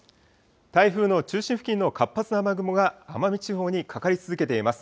台風の中心付近の活発な雨雲が奄美地方にかかり続けています。